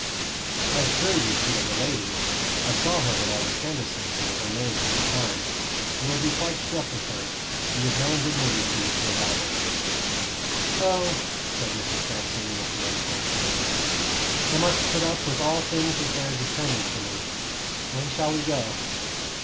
"I assure you she is a lady; I saw her when I was canvassing, and was amazed at the time. You will be quite struck with her. It is no indignity for you to invite her." "Oh," said Mrs. Transome, with low toned bitterness, "I must put up with all things as they are determined for me. When shall we go?"